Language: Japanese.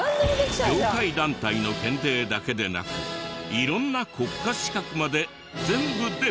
業界団体の検定だけでなく色んな国家資格まで全部で。